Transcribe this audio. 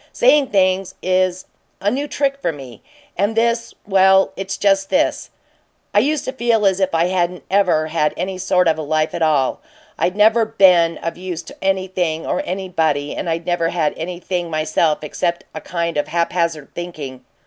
Saying things is a new trick for me, and this well, it's just this: I used to feel as if I hadn't ever had any sort of a life at all. I'd never been of use to anything or anybody, and I'd never had anything, myself, except a kind of haphazard thinking.